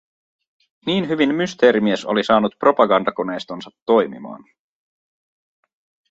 Niin hyvin Mysteerimies oli saanut propagandakoneistonsa toimimaan.